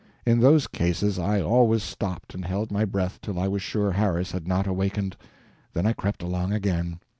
In those cases I always stopped and held my breath till I was sure Harris had not awakened then I crept along again.